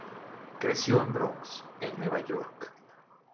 Creció en Bronx en Nueva York.